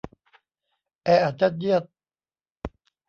แออัดยัดเยียด